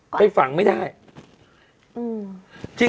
ไปฝังไม่ได้